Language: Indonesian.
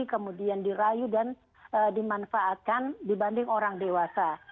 kemudian dirayu dan dimanfaatkan dibanding orang dewasa